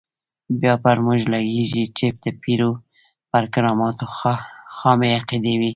بیا پر موږ لګېږي چې د پیر پر کراماتو خامې عقیدې یو.